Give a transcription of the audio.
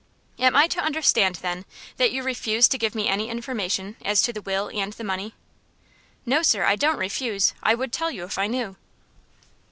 "Am I to understand, then, that you refuse to give me any information as to the will and the money?" "No, sir; I don't refuse. I would tell you if I knew."